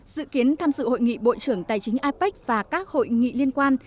dự kiến tham dự hội nghị bộ trưởng tài chính apec và các hội nghị liên quan